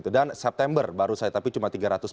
dan september baru saya tapi cuma tiga ratus empat belas